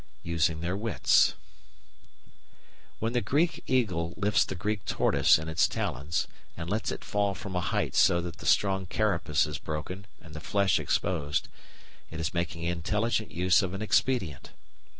Using their Wits When the Greek eagle lifts the Greek tortoise in its talons, and lets it fall from a height so that the strong carapace is broken and the flesh exposed, it is making intelligent use of an expedient.